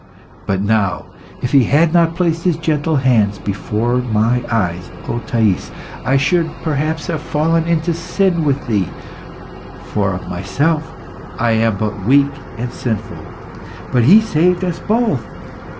But now, if He had not placed His gentle hands before my eyes, O Thais, I should perhaps have fallen into sin with thee, for of myself I am but weak and sinful. But He saved us both.